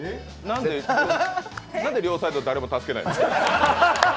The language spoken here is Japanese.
なんで両サイド、誰も助けないの？